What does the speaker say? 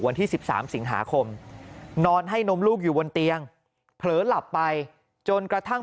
วันที่๑๓สิงหาคมนอนให้นมลูกอยู่บนเตียงเผลอหลับไปจนกระทั่ง